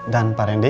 dan pak randy